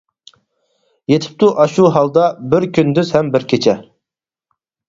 يېتىپتۇ ئاشۇ ھالدا، بىر كۈندۈز ھەم بىر كېچە.